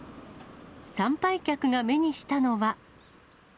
参拝客が目にしたのは。